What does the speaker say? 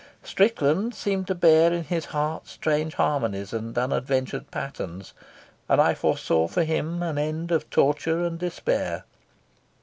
Strickland seemed to bear in his heart strange harmonies and unadventured patterns, and I foresaw for him an end of torture and despair.